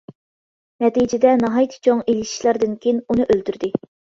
نەتىجىدە ناھايىتى چوڭ ئېلىشىشلاردىن كېيىن ئۇنى ئۆلتۈردى.